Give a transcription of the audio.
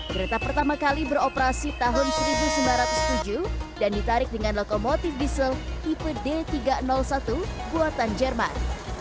kereta pertama kali beroperasi tahun seribu sembilan ratus tujuh dan ditarik dengan lokomotif diesel tipe d tiga ratus satu buatan jerman